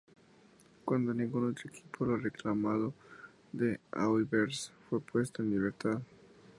Cuando ningún otro equipo lo reclamado de "waivers", fue puesto en libertad.